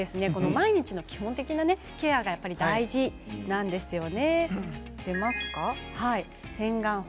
毎日の基本的なケアが大事なんですね。